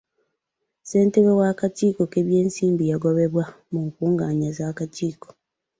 Ssentebe w'akakiiko k'ebyensimbi yagobebwa mu nkungaana z'akakiiko.